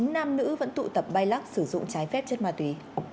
chín nam nữ vẫn tụ tập bay lắc sử dụng trái phép chất ma túy